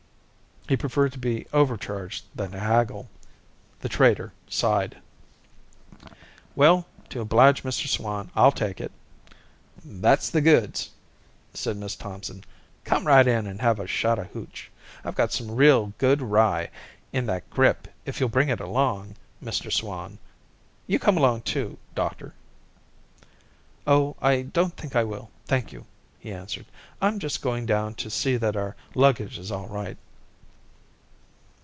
He preferred to be over charged than to haggle. The trader sighed. "Well, to oblige Mr Swan I'll take it." "That's the goods," said Miss Thompson. "Come right in and have a shot of hooch. I've got some real good rye in that grip if you'll bring it along, Mr Swan. You come along too, doctor." "Oh, I don't think I will, thank you," he answered. "I'm just going down to see that our luggage is all right."